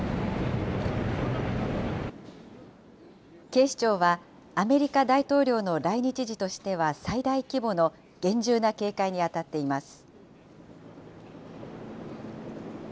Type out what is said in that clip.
警視庁は、アメリカ大統領の来日時としては最大規模の厳重な警戒に当たっています。